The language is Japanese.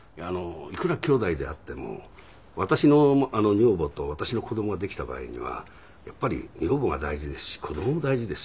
いくら兄弟であっても私の女房と私の子供ができた場合にはやっぱり女房は大事ですし子供も大事ですよ。